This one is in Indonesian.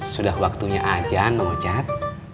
sudah waktunya aja mengocat